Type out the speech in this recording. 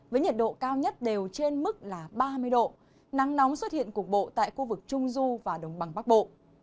với nhiệt độ cao nhất đều trên mức là ba mươi độ nắng nóng xuất hiện cục bộ tại khu vực trung du và đồng bằng bắc bộ